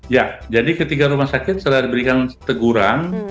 ya jadi ketiga rumah sakit setelah diberikan teguran